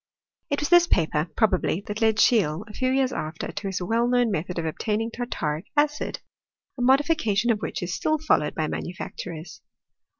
It was this paper, probably, that led Scheele, a few years after, to his well known method of obtaining tartaric acid, a modification of which is still followed by. manufacturers.